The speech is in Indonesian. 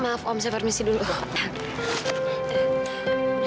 maaf om saya permisi dulu